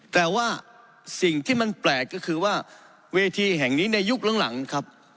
แต่ว่าสิ่งที่มันแปลกก็คือว่าเวทีแห่งนี้ในยุคหลังครับ